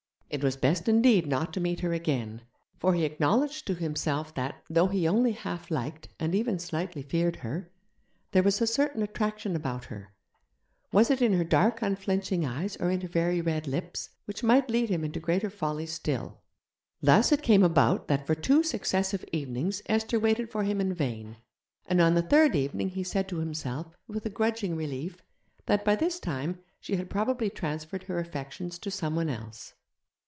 It was best indeed not to meet her again; for he acknowledged to himself that, though he only half liked, and even slightly feared her, there was a certain attraction about her was it in her dark unflinching eyes or in her very red lips? which might lead him into greater follies still. Thus it came about that for two successive evenings Esther waited for him in vain, and on the third evening he said to himself, with a grudging relief, that by this time she had probably transferred her affections to someone else.